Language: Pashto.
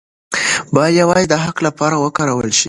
باید یوازې د حق لپاره وکارول شي.